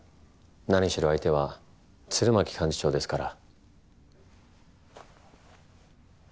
何しろ相手は鶴巻幹事長ですから。